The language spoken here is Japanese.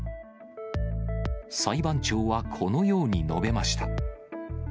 裁判長はこのように述べました。